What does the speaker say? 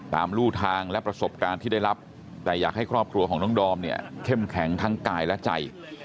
รูทางและประสบการณ์ที่ได้รับแต่อยากให้ครอบครัวของน้องดอมเนี่ยเข้มแข็งทั้งกายและใจ